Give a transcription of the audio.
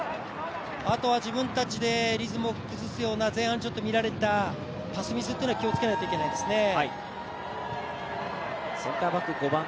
あとは自分たちでリズムを崩すような前半見られたパスミスというのは気をつけないといけないですね。